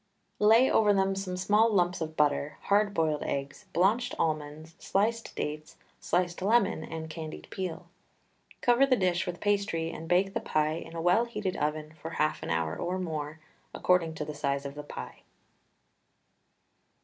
Lay over them some small lumps of butter, hard boiled eggs, blanched almonds, sliced dates, sliced lemon and candied peel. Cover the dish with pastry and bake the pie in a well heated oven for half an hour or more, according to the size of the pie.